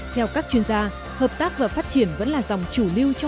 theo các chuyên gia hợp tác và phát triển vẫn là dòng chủ lưu